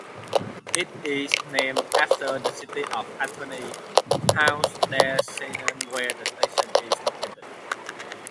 It is named after the city of Antony, Hauts-de-Seine where the station is located.